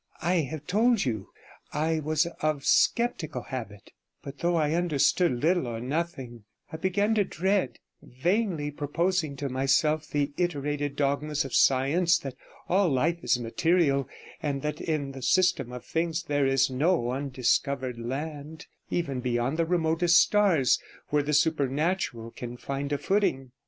I have told you I was of sceptical habit; but though I understood little or nothing, I began to dread, vainly proposing to myself the iterated dogmas of science that all life is material, and that in the system of things there is no undiscovered land, even beyond the remotest stars, where the supernatural can find a footing.